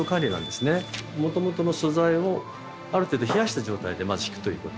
もともとの素材をある程度冷やした状態でまずひくということ。